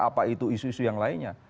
apa itu isu isu yang lainnya